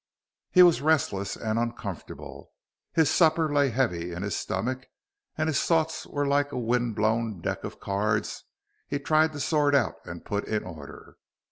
He was restless and uncomfortable, his supper heavy in his stomach, and his thoughts were like a windblown deck of cards he tried to sort out and put in order.